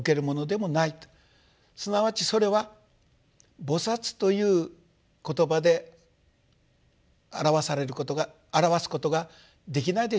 すなわちそれは「菩薩」という言葉で表されることが表すことができないでしょうか。